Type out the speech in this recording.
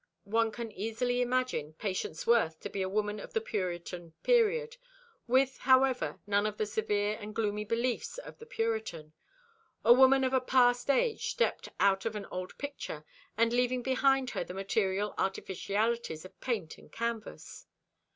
One can easily imagine Patience Worth to be a woman of the Puritan period, with, however, none of the severe and gloomy beliefs of the Puritan—a woman of a past age stepped out of an old picture and leaving behind her the material artificialities of paint and canvas.